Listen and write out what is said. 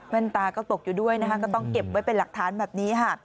แม่นตาก็ตกอยู่ด้วยก็ต้องเก็บไว้เป็นหลักฐานแบบนี้